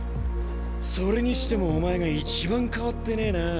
それにしてもお前が一番変わってねえな。